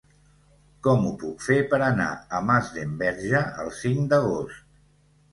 Com ho puc fer per anar a Masdenverge el cinc d'agost?